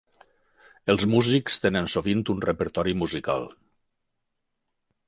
Els músics tenen sovint un repertori musical.